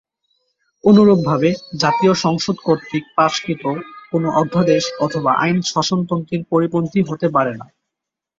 অনুরূপভাবে জাতীয় সংসদ কর্তৃক পাশকৃত কোনো অধ্যাদেশ অথবা আইন শাসনতন্ত্রের পরিপন্থী হতে পারে না।